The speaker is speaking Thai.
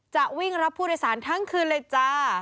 จะวิ่งรับผู้โดยสารทั้งคืนเลยจ้า